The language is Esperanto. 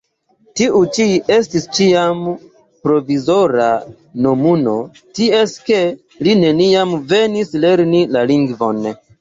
Tiu ĉi estis ĉiam "provizora" nomumo, tiel ke li neniam venis lerni la lingvon.